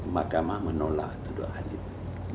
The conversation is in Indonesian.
makamah menolak tuduhan itu